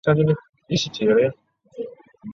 黑凯门鳄现正濒临绝种。